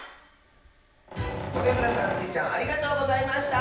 トゲむらさんスイちゃんありがとうございました。